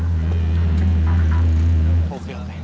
lihatlah ada anak black cobra yang berangkat